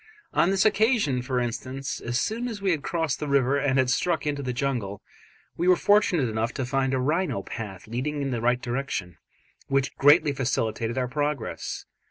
On this occasion, for instance, as soon as we had crossed the river and had struck into the jungle, we were fortunate enough to find a rhino path leading in the right direction, which greatly facilitated our progress.